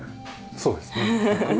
そうですね。